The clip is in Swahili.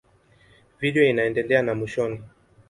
Video inaendelea na mwishoni.